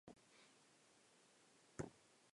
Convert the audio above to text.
栃木県塩谷町